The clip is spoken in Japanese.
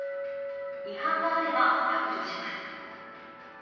違反があれば削除します。